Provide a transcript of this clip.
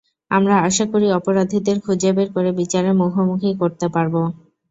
আমরা আশা করি অপরাধীদের খুঁজে বের করে বিচারের মুখোমুখি করতে পারব।